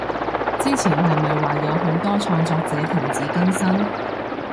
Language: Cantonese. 之前係咪話有好多創作者停止更新？